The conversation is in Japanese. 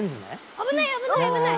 危ない危ない危ない！